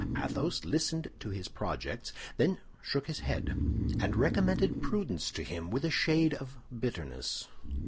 Athos listened to his projects, then shook his head, and recommended prudence to him with a shade of bitterness.